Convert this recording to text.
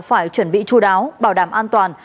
phải chuẩn bị chú đáo bảo đảm an toàn